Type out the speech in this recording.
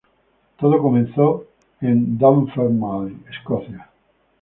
Todo comenzó en Dunfermline, Escocia.